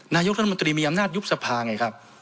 นายกรัฐมนตรีมีอำนาจยุบสภาไงครับ